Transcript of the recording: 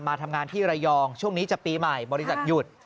มาทำงานที่ระยองช่วงนี้จะปีใหม่บริษัทหยุด